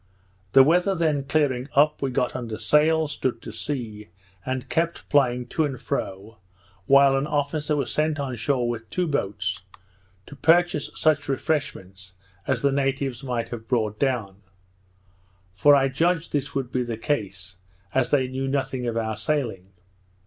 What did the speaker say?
The weather then clearing up, we got under sail, stood to sea, and kept plying to and fro, while an officer was sent on shore with two boats, to purchase such refreshments as the natives might have brought down; for I judged this would be the case, as they knew nothing of our sailing.